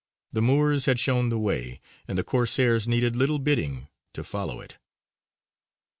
The Moors had shown the way, and the Corsairs needed little bidding to follow it.